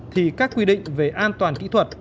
thì các quy định về an toàn kỹ thuật